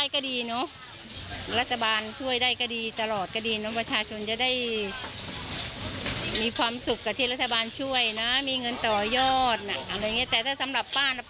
ก็คือของขายดีกว่า